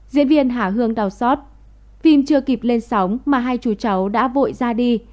diễn viên hà hương đào sót phim chưa kịp lên sóng mà hai chú cháu đã vội ra đi